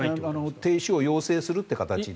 停止を要請するという形で。